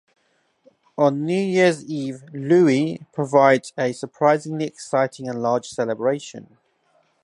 On New Year's Eve, Looe provides a surprisingly exciting and large celebration.